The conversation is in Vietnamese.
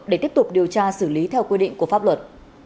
để tiếp tục điều tra xử lý theo quy định của pháp luật